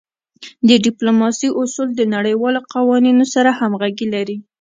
د ډیپلوماسی اصول د نړیوالو قوانینو سره همږغي لری.